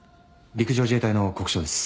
陸上自衛隊の国生です。